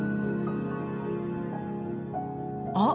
あっ！